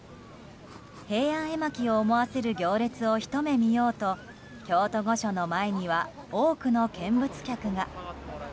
平安絵巻を思わせる行列をひと目見ようと京都御所の前には多くの見物客が。